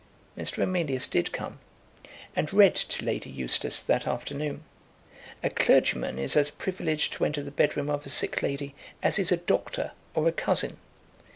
Mr. Emilius did come and read to Lady Eustace that afternoon. A clergyman is as privileged to enter the bedroom of a sick lady as is a doctor or a cousin.